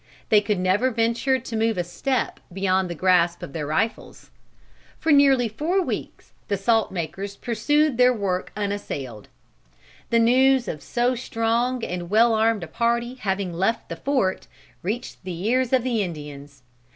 They could never venture to move a step beyond the grasp of their rifles. For nearly four weeks the salt makers pursued their work unassailed. The news of so strong and well armed a party having left the fort, reached the ears of the Indians.